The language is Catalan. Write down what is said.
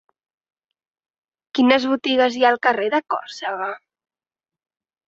Quines botigues hi ha al carrer de Còrsega?